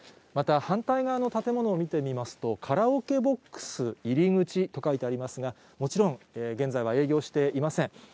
また反対側の建物を見てみますと、カラオケボックス入り口と書いてありますが、もちろん現在は営業していません。